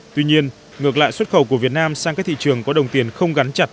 tuy nhiên ngược lại xuất khẩu của việt nam sang các thị trường có đồng tiền không gắn chặt